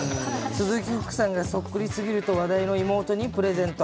鈴木福さんがそっくりすぎると話題の妹にプレゼント。